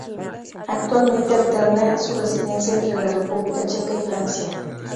Actualmente alterna su residencia entre la República Checa y Francia.